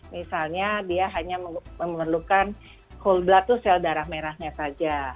misalnya dia hanya memerlukan whole blood to sel darah merahnya saja